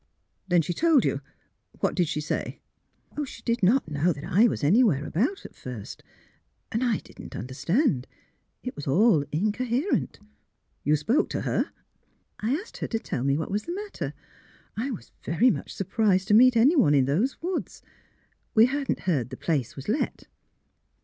'' Then she told you What did she say? '*,'' She did not know that I was anywhere about — at first, and I did not understand. It was all incoherent. '''' You spoke to her? "" I asked her to tell me what was the matter. I was very much surprised to meet anyone in those woods. We had not heard the place was let."